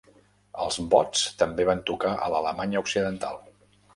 Els Bots també van tocar a l'Alemanya Occidental.